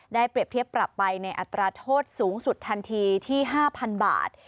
เปรียบเทียบปรับไปในอัตราโทษสูงสุดทันทีที่๕๐๐๐บาท